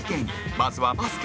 まずは、バスケ。